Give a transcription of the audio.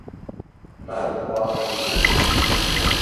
Me li ba kiriye.